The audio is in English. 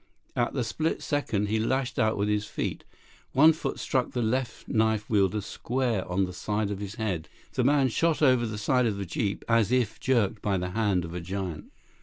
At the split second, he lashed out with his feet. One foot struck the left knife wielder square on the side of his head. The man shot over the side of the jeep as if jerked by the hand of a giant.